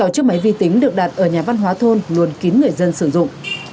sáu chiếc máy vi tính được đặt ở nhà văn hóa thôn luôn kín người dân sử dụng